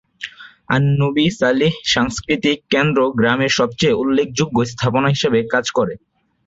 আন নবী সালিহ সাংস্কৃতিক কেন্দ্র গ্রামের সবচেয়ে উল্লেখযোগ্য স্থাপনা হিসেবে কাজ করে।